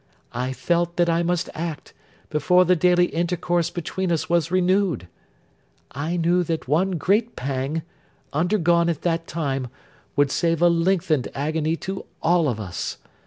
I felt that I must act, before the daily intercourse between us was renewed. I knew that one great pang, undergone at that time, would save a lengthened agony to all of us.